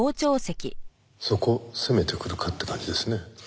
そこ責めてくるかって感じですね。